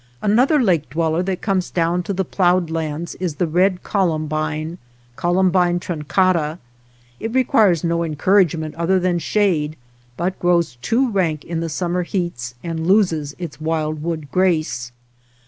Another lake dweller that comes down to the ploughed lands is the red columbine (C. truncata). It requires no encouragement other than shade, but grows too rank in the summer heats and loses its wildwood grace.